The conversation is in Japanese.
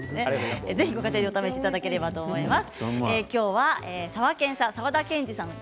ぜひ、ご家庭でお試しいただければと思います。